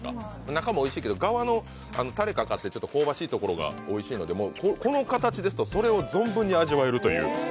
中もおいしいけど、側のたれがかかってちょっと香ばしいところがおいしいので、この形ですとそれを存分に味わえるという。